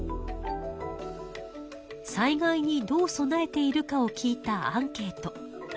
災害にどう備えているかを聞いたアンケート。